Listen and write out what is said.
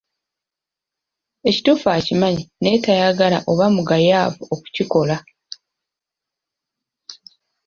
Ekituufu akimanyi naye tayagala oba mugayaavu okukikola.